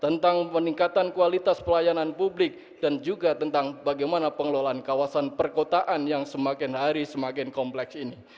tentang peningkatan kualitas pelayanan publik dan juga tentang bagaimana pengelolaan kawasan perkotaan yang semakin hari semakin kompleks ini